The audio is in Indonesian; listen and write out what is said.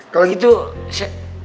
kalau gitu saya